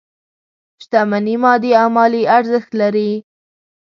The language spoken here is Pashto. شتمني مادي او مالي ارزښت لري.